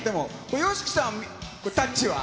ＹＯＳＨＩＫＩさん、これ、タッチは？